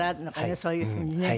そういう風にね。